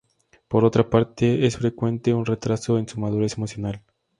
Por otra parte, es frecuente un retraso en su madurez emocional.